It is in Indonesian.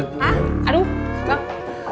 hah aduh bang